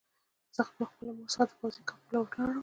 زه له خپلې مور څخه د پوځي کمپ په لور لاړم